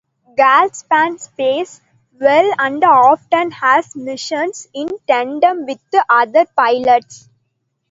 GalSpan pays well and often has missions in tandem with other pilots.